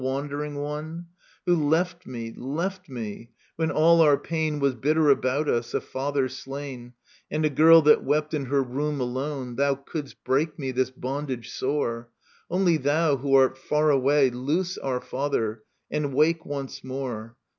Wandering One ? Who left me, left me, when all our pain Was bitter about us, a father slain, And a girl that wept in her room alone. Thou couldst break me this bondage sore, Only thou, who art hx away, Loose our father, and wake once more.